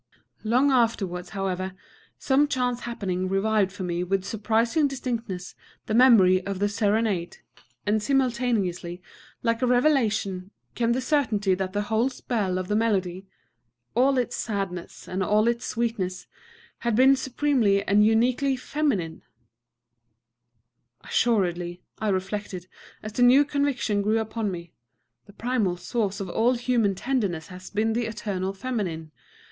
Long afterwards, however, some chance happening revived for me with surprising distinctness the memory of the serenade; and simultaneously, like a revelation, came the certainty that the whole spell of the melody all its sadness and all its sweetness had been supremely and uniquely feminine. "Assuredly," I reflected, as the new conviction grew upon me, "the primal source of all human tenderness has been the Eternal Feminine....